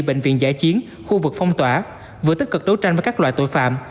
bệnh viện giải chiến khu vực phong tỏa vừa tích cực đấu tranh với các loại tội phạm